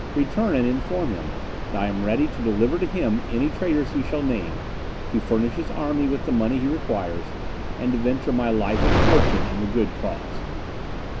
Return and inform him I am ready to deliver to him any traitors he shall name, to furnish his army with the money he requires, and to venture my life and fortune in the good cause."